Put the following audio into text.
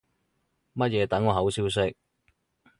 乜嘢等我好消息